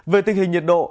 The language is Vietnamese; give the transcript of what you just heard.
về tình hình nhiệt độ